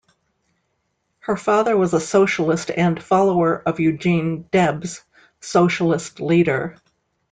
Her father was a socialist and follower of Eugene Debs, socialist leader.